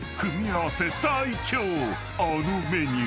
［あのメニュー］